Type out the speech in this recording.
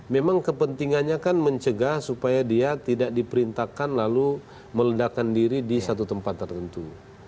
memang kepentingannya kan mencegah supaya dia tidak diperintahkan lalu meledakan diri di satu tempat tertentu